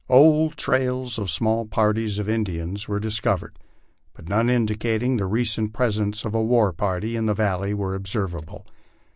Old trails of small parties of Indians were discovered, but none indicating the recent presence of war par ties in that valley were observable.